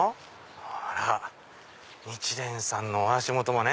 ほら日蓮さんのお足元もね。